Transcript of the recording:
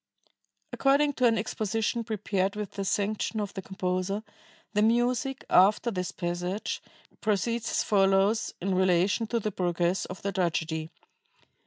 According to an exposition prepared with the sanction of the composer, the music, after this passage, proceeds as follows in relation to the progress of the tragedy